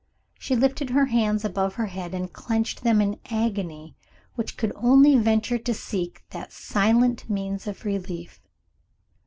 She lifted her hands above her head, and clenched them in the agony which could only venture to seek that silent means of relief.